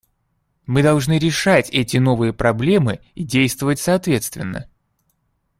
Мы должны решать эти новые проблемы и действовать соответственно.